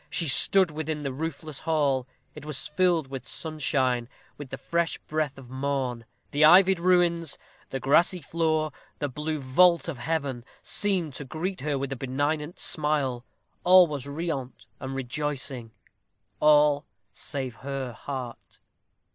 She stood within the roofless hall. It was filled with sunshine with the fresh breath of morn. The ivied ruins, the grassy floor, the blue vault of heaven, seemed to greet her with a benignant smile. All was riant and rejoicing all, save her heart.